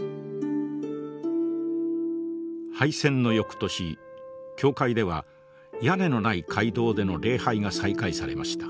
敗戦の翌年教会では屋根のない会堂での礼拝が再開されました。